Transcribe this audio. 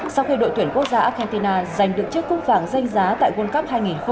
sau khi đội tuyển quốc gia argentina giành được chiếc cúp vàng danh giá tại world cup hai nghìn hai mươi ba